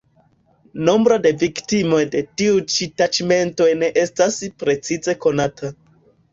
Nombro de viktimoj de tiuj ĉi taĉmentoj ne estas precize konata.